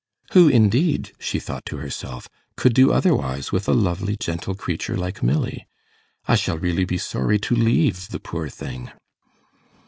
'Who indeed,' she thought to herself, 'could do otherwise, with a lovely, gentle creature like Milly? I shall really be sorry to leave the poor thing.